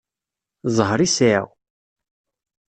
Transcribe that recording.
Ẓẓher i sɛiɣ.